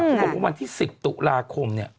ที่บอกว่าวันที่๑๐ศุลาคมเนี๊ยะ